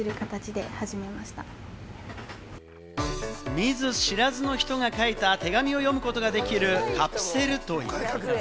見ず知らずの人が書いた手紙を読むことができるカプセルトイ。